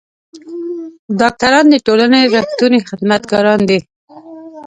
ډاکټران د ټولنې رښتوني خدمتګاران دي.